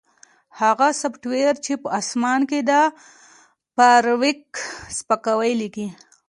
هغه سافټویر چې په اسمان کې د فارویک سپکاوی لیکي